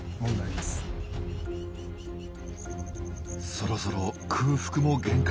そろそろ空腹も限界。